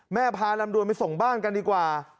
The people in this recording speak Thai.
พาลำดวนไปส่งบ้านกันดีกว่า